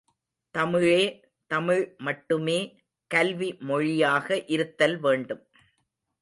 தமிழே தமிழ் மட்டுமே கல்வி மொழியாக இருத்தல் வேண்டும்.